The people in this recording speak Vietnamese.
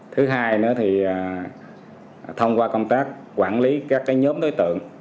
thứ hai nữa thì thông qua công tác quản lý các nhóm đối tượng